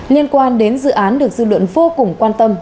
liên quan đến dự án được dư luận vô cùng quan tâm